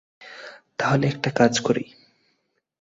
তাহলে একটা কাজ করি?